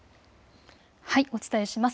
お伝えします。